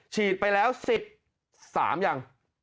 ฉีดไปแล้ว๑๓ยัง